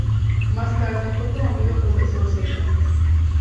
Más tarde, fue promovido a profesor senior.